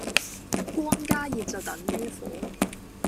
光加熱就等於火